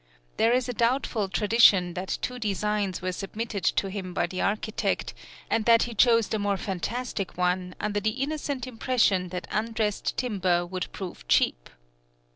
There is a doubtful tradition that two designs were submitted to him by the architect, and that he chose the more fantastic one under the innocent impression that undressed timber would prove cheap.